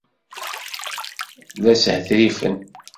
La shetrifen!